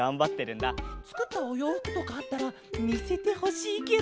つくったおようふくとかあったらみせてほしいケロ。